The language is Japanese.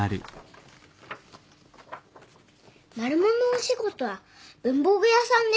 「マルモのお仕事は文房具屋さんです」